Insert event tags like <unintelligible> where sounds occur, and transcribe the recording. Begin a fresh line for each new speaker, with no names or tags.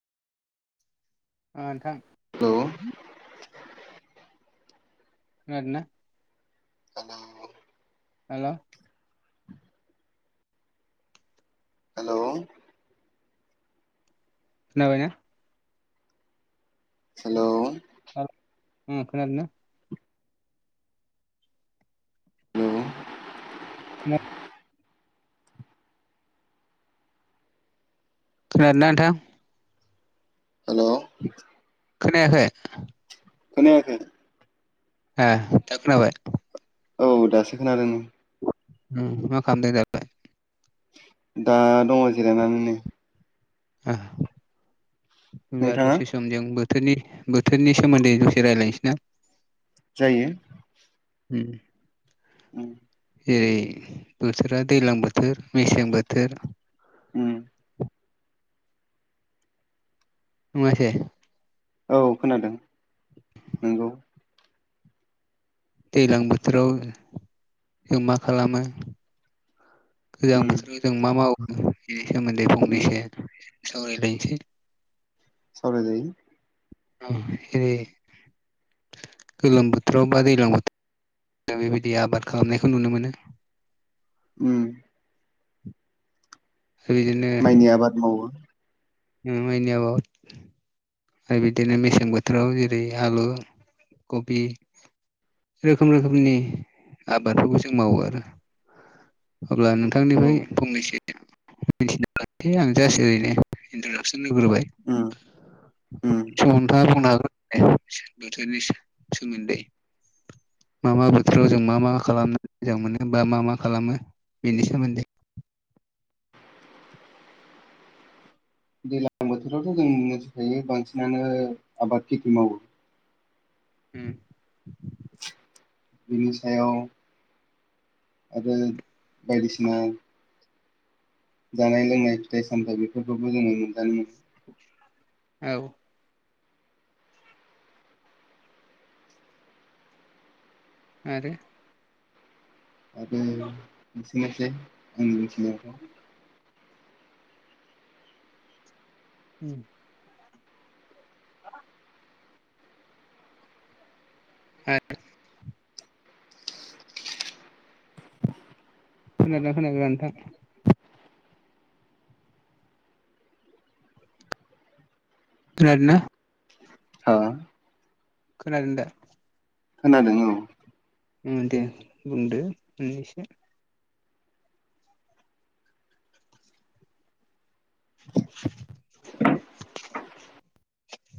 ओ नोंथां
औ
<unintelligible>
<unintelligible>
हेल'
हेलौ
खोनाबायना
हेलौ
उम खोनादोंना
हेलौ
<unintelligible> खोनादोना नोंथां
हेल'
खोनायाखै
खोनायाखै
ए दा खौनाबाय
औ दासो खोनादों
उम मा खामदो
दा दङ जिरायनानै नै
<unintelligible> होमब्ला
नोंथाङा
दसे समजों बो थोरनि बोथोरनि सोमोन्दै द'से रायलायसै ना
जायो
उम
उम
जेरै बोथोरा दैलां बोथोर मेसें बोथोर
उम
नङासै
औ खोनादों नोंगौ
दैलां बोथोराव जों मा खालामो गोजां
उम
बोथोर जों मा मावो बेनि सोमोन्दै
उम
फंनैसो सावरायलायनोसै
सावराय जायो
उम जेरै गोलोम बोथोराव बा दैलां बो <unintelligible> बेबायदि आबाद खालामनायखौ नुनो मोनो
उम
<inaudible> बिदिनो
माइनि आबाद मावो
<unintelligible> आरो बिदिनो मेसें बोथोराव जेरै आलु कबि रोखोम रोखोमनि आबादफोरखौ जों मावो आरो अब्ला
औ
नोंथांनिफ्राय फंनैसो मिथिनोसै आं जास ओरैनो इन्ट्रडाक्सन होगोरबाय
उम उम
<inaudible> बोथोरनि सोमोन्दै मा मा बोथोराव जों मा मा खालामनो मोजां मोनो बा मा मा खालामो बेनि सोमोन्दै
दैज्लां बोथोरावथ' जों मिथिखायो बांसिनानो आबाद खेथि मावो
उम
बिनि सायाव आरो बायदिसिना जानाय लोंनाय फिथाइ सामथाइ बेफोरखौबो जोङो मोनजानो मोनो
औ आरो
आरो मोनसे मोनसे आंनि मिथिनायावथ'
उम <inaudible> <unintelligible> खोनादोंना खोनायाखै नोंथां खोनादोना
हा
खोनादों दा
खोनादों औ
उम दे बुंदो फंनैसो <inaudible>